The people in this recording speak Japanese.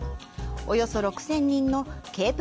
およそ６０００人のケープ